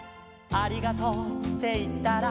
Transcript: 「ありがとうっていったら」